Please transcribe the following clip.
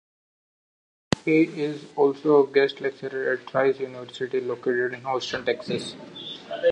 He is also a guest lecturer at Rice University, located in Houston, Texas.